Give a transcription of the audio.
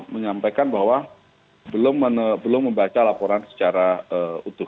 menyampaikan bahwa belum membaca laporan secara utuh